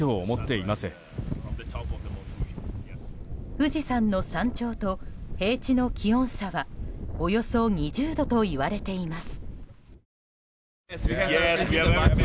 富士山の山頂と平地の気温差はおよそ２０度といわれています。